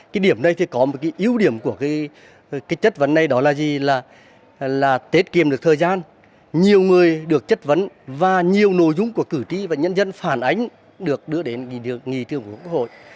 cái điểm này thì có một cái yếu điểm của cái chất vấn này đó là gì là tết kiềm được thời gian nhiều người được chất vấn và nhiều nội dung của cựu tri và nhân dân phản ánh được đưa đến nghị thương của quốc hội